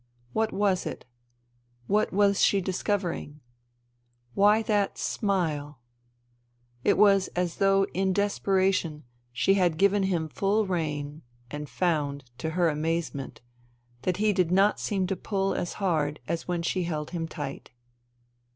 What was it ? What was she discovering ? Why that smile ? It was as though in desperation she had given him full rein and found, to her amazement, that he did not seem to pull as hard as when she held him tight.